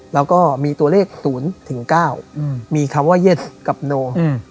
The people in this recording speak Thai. แล้วก็มีตัวเลขศูนย์ถึงเก้าอืมมีคำว่าเย็ดกับโนอืม